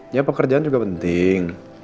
ya pekerjaan juga penting